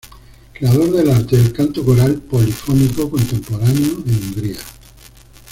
Creador del arte del canto coral" "polifónico contemporáneo en Hungría.